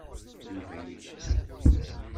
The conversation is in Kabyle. Yuba yettu.